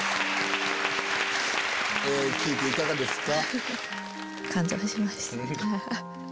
聞いていかがですか？